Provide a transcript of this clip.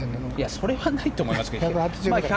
それはないと思いますけど。